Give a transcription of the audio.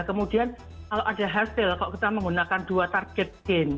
kemudian kalau ada hasil kalau kita menggunakan dua target game